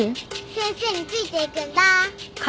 先生についていくんだ。